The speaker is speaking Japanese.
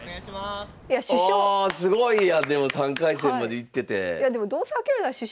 おおすごいやんでも３回戦まで行ってて。